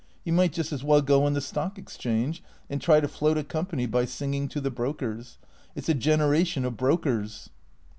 He might just as well go on the Stock Exchange and try to float a company by singing to the brokers. It's a generation of brokers."